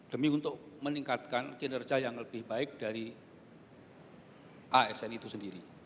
demi untuk meningkatkan kinerja yang lebih baik dari asn itu sendiri